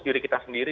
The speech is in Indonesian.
diri kita sendiri